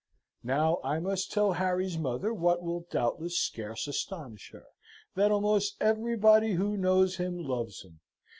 "Now, I must tell Harry's mother what will doubtless scarce astonish her, that almost everybody who knows him loves him.